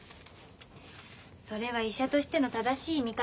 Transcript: それは医者としての正しい見方。